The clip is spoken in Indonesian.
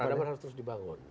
peradaban harus terus dibangun